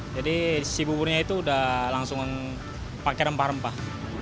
jadi si buburnya itu udah langsung pake rempah rempah